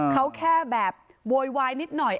เขาแค่แบบโวยวายนิดหน่อย